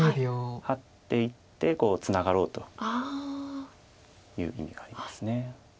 ハッていってツナがろうという意味があります。